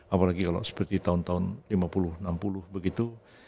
apalagi kalau seperti tahun tahun lima puluh enam puluh begitu